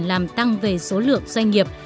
làm tăng về số lượng doanh nghiệp